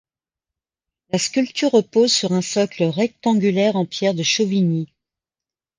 La sculpture repose sur un socle rectangulaire en pierre de Chauvigny.